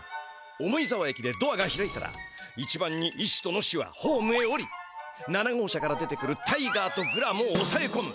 重井沢駅でドアが開いたら一番にイシシとノシシはホームへおり７号車から出てくるタイガーとグラモをおさえこむ。